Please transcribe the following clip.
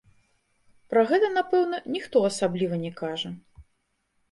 Пра гэта, напэўна, ніхто асабліва не кажа.